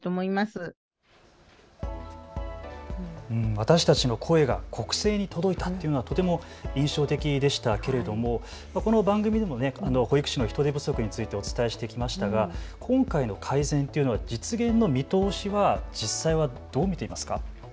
私たちの声が国政に届いたというのはとても印象的でしたけれどもこの番組でも保育士の人手不足についてお伝えしてきましたが今回の改善というのは実現の見通しは実際はどう見ていますか。